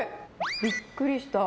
びっくりした。